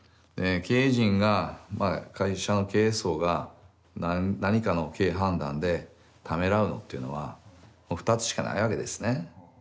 経営陣が会社の経営層が何かの経営判断でためらうのっていうのは２つしかないわけですね。